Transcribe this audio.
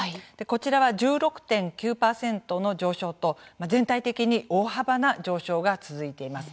こちらは１６．９％の上昇と全体的に大幅な上昇が続いています。